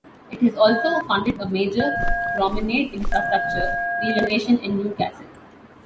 It has also funded a major promenade infrastructure regeneration in Newcastle.